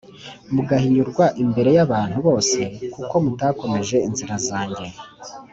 mugahinyurwa imbere y’abantu bose kuko mutakomeje inzira zanjye